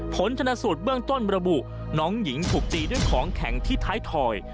ผลชนสูตรเบื้องต้นระบุน้องหญิงถูกตีด้วยของแข็งที่ท้ายถอย